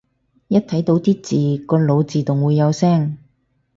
一睇到啲字個腦自動會有聲